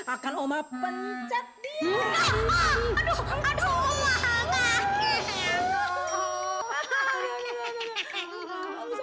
akan oma pencet dia